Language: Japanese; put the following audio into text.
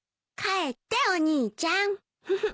帰ってお兄ちゃん。